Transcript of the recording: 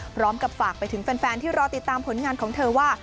พร้อมกับฝากไปถึงแฟนที่รอติดตามผลงานของเธอว่า